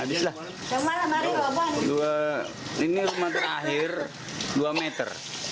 inilah ini rumah terakhir dua meter